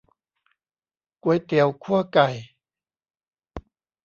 ก๋วยเตี๋ยวคั่วไก่